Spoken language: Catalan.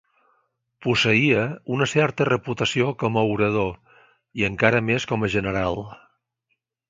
Posseïa una certa reputació com a orador, i encara més com a general.